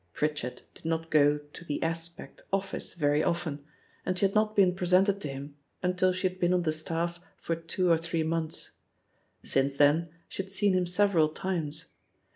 Fritchard did not go to The Aspect office very often, and she had not been presented to him until she had been on the staff for two or three months. Since then, she had seen him several times.